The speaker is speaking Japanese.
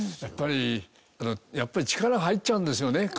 やっぱりやっぱり力入っちゃうんですよね。